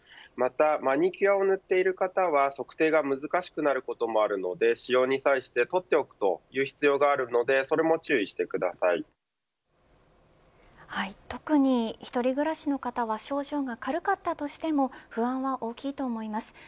またマニキュアを塗ってる方は測定が難しくなることもあるので使用に際して取っておく必要があるので特に一人暮らしの方は症状が軽かったとしても不安は大きいと思います。